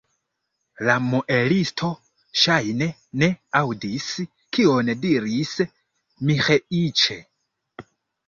La muelisto, ŝajne, ne aŭdis, kion diris Miĥeiĉ.